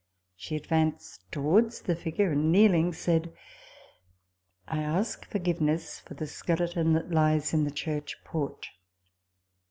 She advanced to wards the figure, and, kneeling, said, " I ask forgive ness for the skeleton that lies in the church porch."